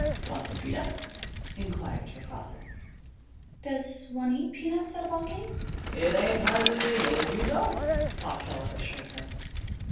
"Want some peanuts?" inquired her father. "Does one eat peanuts at a ball game?" "It ain't hardly legal if you don't," Pa Keller assured her.